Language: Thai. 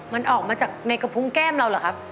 มันออกมาจากในกระพุงแก้มเราเหรอครับ